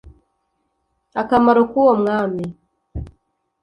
akamaro k uwo mwami